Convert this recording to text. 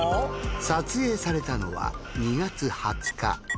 撮影されたのは２月２０日。